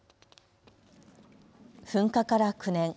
噴火から９年。